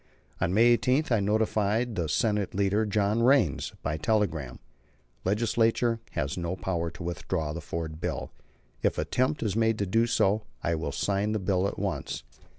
On May 18 I notified the Senate leader, John Raines, by telegram: "Legislature has no power to withdraw the Ford bill. If attempt is made to do so, I will sign the bill at once."